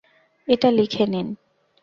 এটা লিখে নিন।